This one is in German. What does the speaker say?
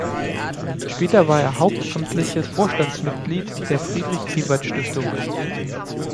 Später war er hauptamtliches Vorstandsmitglied der Friedrich-Ebert-Stiftung.